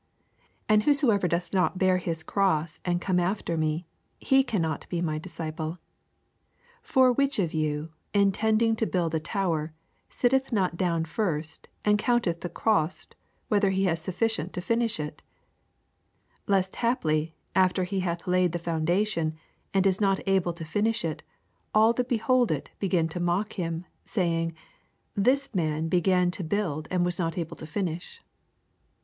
27 And whosoever doth not bear his cross, and come after me, he can not be my disciple. 28 For which of you, intending to build a tower, sitteth not down first, and counteth the cost^ whether he have sufficient to finish't^ / 29 Lest haply, after he hath laid the foundation, and is not able to finish U^ all that behold it begin to mock him, 80 Saying, This man began to build and was not able to finish.